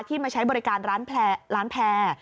ที่มาใช้บริการร้านแพ้